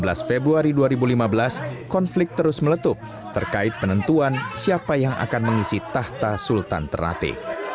pada sebelas februari dua ribu lima belas konflik terus meletup terkait penentuan siapa yang akan mengisi tahta sultan ternate